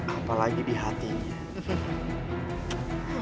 apalagi di hatinya